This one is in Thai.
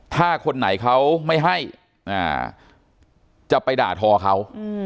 ถ้าคนไหนเขาไม่ให้จะไปด่าทอเขา